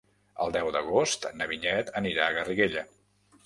El deu d'agost na Vinyet anirà a Garriguella.